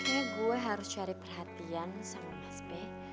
ya gue harus cari perhatian sama mas b